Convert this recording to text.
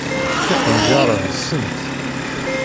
Tiqendyar-a nsent.